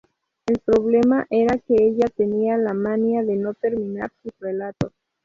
El problema era que ella tenía la manía de no terminar sus relatos.